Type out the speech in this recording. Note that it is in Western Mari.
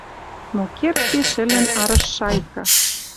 Но кердде шӹлӹн арыш шайка